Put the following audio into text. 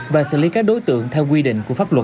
và xử lý các đối tượng theo quy định của pháp luật